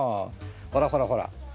ほらほらほら